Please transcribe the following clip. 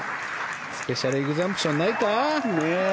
スペシャルエグザンプションないか？